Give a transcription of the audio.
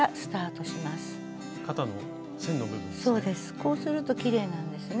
こうするときれいなんですね。